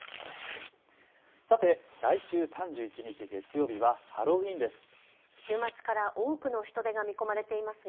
さて来週３１日、月曜日はハロウィーンです。